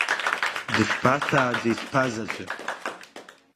Дышԥасааӡеи сԥа заҵәы?